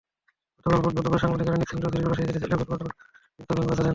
গতকাল বুধবার দুপুরে সাংবাদিকেরা নিক্সন চৌধুরীর বাসায় যেতে চাইলে কর্তব্যরত নিরাপত্তাকর্মী বাধা দেন।